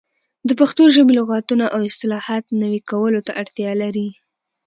د پښتو ژبې لغتونه او اصطلاحات نوي کولو ته اړتیا لري.